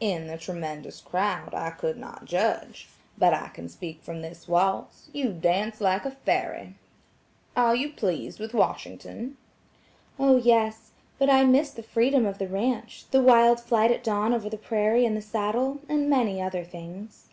"In the tremendous crowd, I could not judge. But I can speak from this waltz–you dance like a fairy. Are you pleased with Washington?" "Oh, yes; but I miss the freedom of the ranch, the wild flight at dawn over the prairie in the saddle, and many other things."